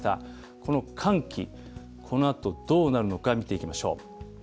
この寒気、このあとどうなるのか見ていきましょう。